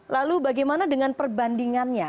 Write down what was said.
lalu bagaimana dengan perbandingannya